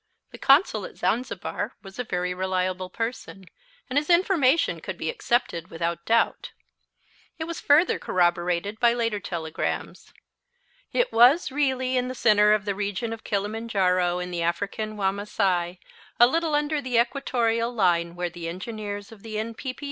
The Consul at Zanzibar was a very reliable person, and his information could be accepted without doubt. It was further corroborated by later telegrams. It was really in the center of the region of Kilimanjaro in the African Wamasai, a little under the equatorial line, where the engineers of the N.P.P.